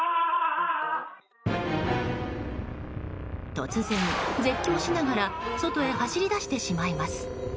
突然、絶叫しながら外へ走り出してしまいます。